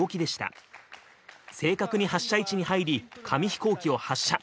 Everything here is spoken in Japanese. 正確に発射位置に入り紙飛行機を発射。